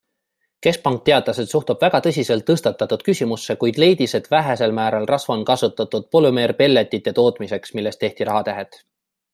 Keskpank teatas, et suhtub väga tõsiselt tõstatatud küsimusse, kuid leidis, et vähesel määral rasva on kasutatud polümeerpelletite tootmiseks, millest tehti rahatähed.